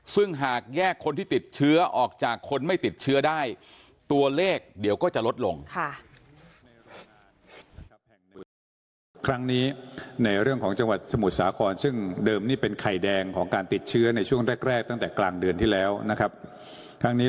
ซึ่งหากแยกคนที่ติดเชื้อออกจากคนไม่ติดเชื้อได้ตัวเลขเดี๋ยวก็จะลดลง